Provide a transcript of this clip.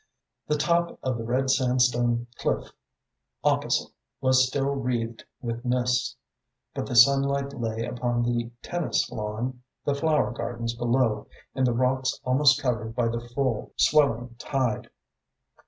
The top of the red sandstone cliff opposite was still wreathed with mists, but the sunlight lay upon the tennis lawn, the flower gardens below, and the rocks almost covered by the full, swelling tide.